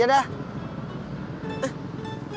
eh dadah aja